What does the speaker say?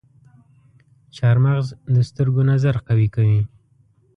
چارمغز د سترګو نظر قوي کوي.